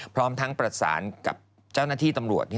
พร้อมทั้งประสานกับเจ้าหน้าที่ตำรวจ